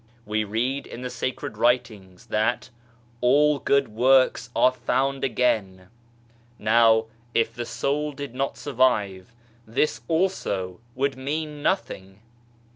We read in the sacred writings that " all good works are found again/ 11 Now, if the soul did not survive, this also would mean nothing